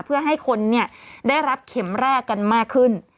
เพื่อให้คนได้รับเข็มแรกกันมากขึ้น